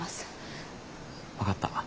分かった。